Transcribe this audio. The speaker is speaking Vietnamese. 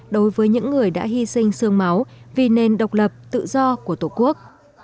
đối với những người đã hy sinh sương máu vì nền độc lập tự do của tổ quốc